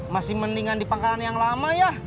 masih mendingan di pangkalan yang lama ya